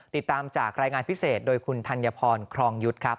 ติดตามจากรายงานพิเศษโดยคุณธัญพรครองยุทธ์ครับ